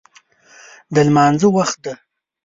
د لمانځه وخت دی